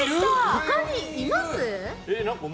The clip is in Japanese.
他にいます？